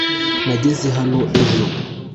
nageze hano ejo